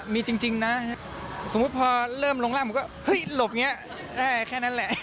มีจริงนะสมมุติพอเริ่มลงร่างผมก็เฮ้ยหลบอย่างนี้แค่นั้นแหละ